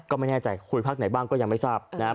ก็ไม่แน่ใจคุยภาคไหนบ้างก็ยังไม่ทราบนะครับ